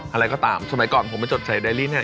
อะไรก็ตามสมัยก่อนผมไปจดใส่ไดรี่เนี่ย